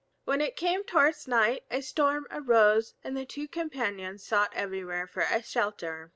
When it came towards night a storm arose, and the two companions sought everywhere for a shelter.